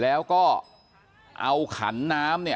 แม่ขี้หมาเนี่ยเธอดีเนี่ยเธอดีเนี่ยเธอดีเนี่ย